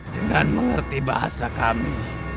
dengan mengerti bahasa kami